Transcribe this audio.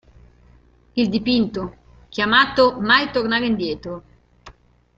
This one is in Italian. Il dipinto, chiamato "Mai tornare indietro!